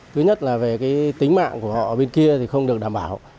thứ nhất là về cái tính mạng của họ ở bên kia thì không được đảm bảo